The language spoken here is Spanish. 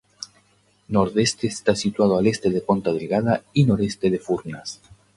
Nordeste está situado al este de Ponta Delgada y noreste de Furnas.